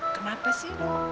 kenapa sih lu